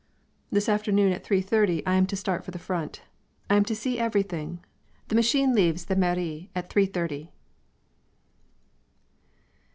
This afternoon at three thirty I am to start for the front. I am to see everything. The machine leaves the Mairie at three thirty.